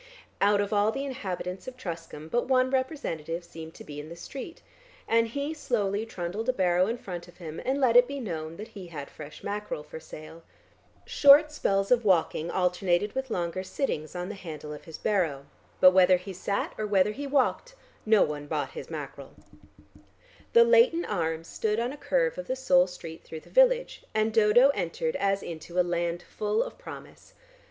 Out of all the inhabitants of Truscombe but one representative seemed to be in the street, and he slowly trundled a barrow in front of him and let it be known that he had fresh mackerel for sale. Short spells of walking alternated with longer sittings on the handle of his barrow, but whether he sat or whether he walked no one bought his mackerel. The Laighton Arms stood on a curve of the sole street through the village, and Dodo entered as into a land full of promise.